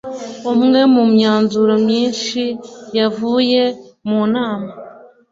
umwe mu myanzuro myinshi yavuye mu nama